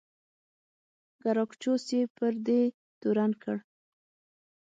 ګراکچوس یې پر دې تورن کړ.